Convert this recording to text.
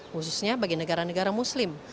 khususnya bagi negara negara muslim